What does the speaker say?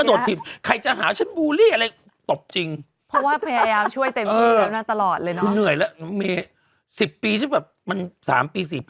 โอ้ยไม่ได้แล้วนะ